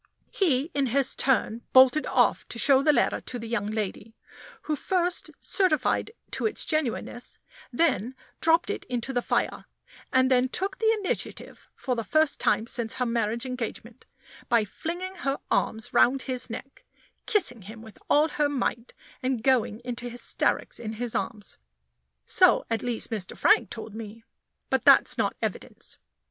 He in his turn bolted off to show the letter to the young lady, who first certified to its genuineness, then dropped it into the fire, and then took the initiative for the first time since her marriage engagement, by flinging her arms round his neck, kissing him with all her might, and going into hysterics in his arms. So at least Mr. Frank told me, but that's not evidence.